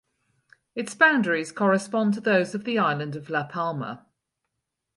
Its boundaries correspond to those of the island of La Palma.